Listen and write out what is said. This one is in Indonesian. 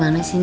ada apa mir